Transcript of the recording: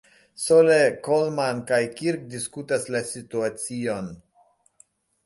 Sole, Coleman kaj "Kirk" diskutas la situacion.